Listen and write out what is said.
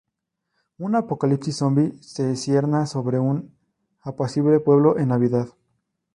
Un apocalipsis zombi se cierne sobre un apacible pueblo en Navidad.